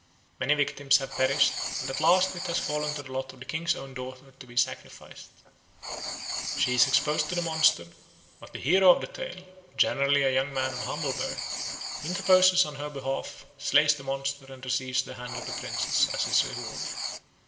Many victims have perished, and at last it has fallen to the lot of the king's own daughter to be sacrificed. She is exposed to the monster, but the hero of the tale, generally a young man of humble birth, interposes in her behalf, slays the monster, and receives the hand of the princess as his reward.